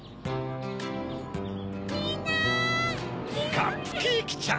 カップケーキちゃん。